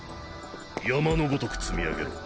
山の如く積み上げろ。